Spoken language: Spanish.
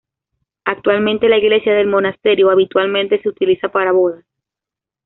Actualmente la iglesia del monasterio habitualmente se utiliza para bodas.